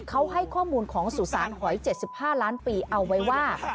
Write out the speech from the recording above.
เขาให้ข้อมูลของสุสานหอย๗๕ล้านปีเอาไว้ว่า